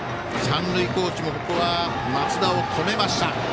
三塁コーチも松田を止めました。